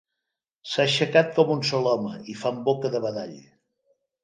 S'han aixecat com un sol home i fan boca de badall.